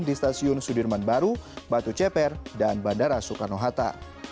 di stasiun sudirman baru batu ceper dan bandara soekarno hatta